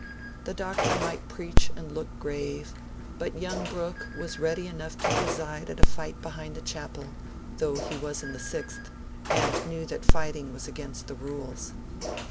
The Doctor might preach and look grave; but young Brooke was ready enough to preside at a fight behind the Chapel, though he was in the Sixth, and knew that fighting was against the rules.